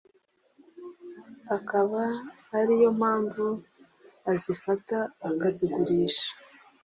akaba ari yo mpamvu azifata akazigurisha